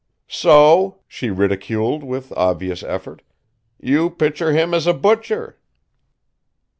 "So!" she ridiculed, with obvious effort. "You picture him as a butcher."